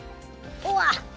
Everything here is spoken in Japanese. うわっ！